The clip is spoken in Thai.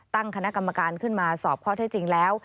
ตั้งคณะกรรมการขึ้นมาสอบข้อเท็จจริงแล้ว